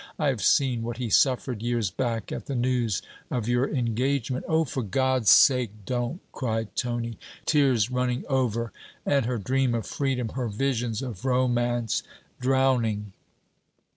I have seen what he suffered, years back, at the news of your engagement.' 'Oh, for God's sake, don't,' cried Tony, tears running over, and her dream of freedom, her visions of romance, drowning.